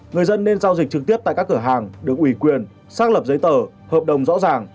người dân nên giao dịch trực tiếp tại các cửa hàng được ủy quyền xác lập giấy tờ hợp đồng rõ ràng